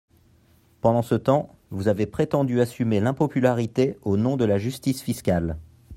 Pendant ce temps, vous avez prétendu assumer l’impopularité au nom de la justice fiscale.